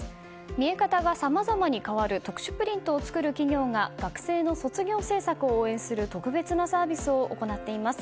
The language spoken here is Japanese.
見え方がさまざまに変わる特殊プリントを作る企業が学生の卒業制作を応援する特別なサービスを行っています。